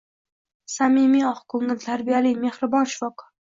Samimiy, oqko`ngil, tarbiyali, mehribon shifokor